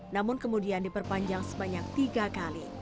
namun kemudian diperpanjang sebanyak tiga kali